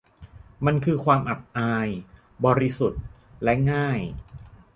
มันคือความอับอาย บริสุทธิ์และง่าย